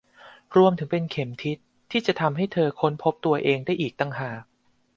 รวมถึงเป็นเข็มทิศที่จะทำให้เธอค้นพบตัวเองได้อีกต่างหาก